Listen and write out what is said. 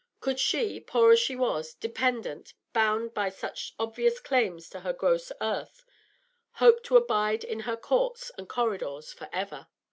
Could she, poor as she was, dependent, bound by such obvious chains to the gross earth, hope to abide in her courts and corridors for ever?...